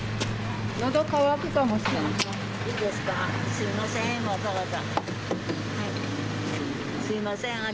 すみません、わざわざ。